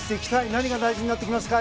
何が大事になってきますか？